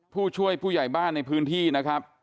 ผู้ช่วยผู้ใหญ่บ้านในพื้นที่นะครับ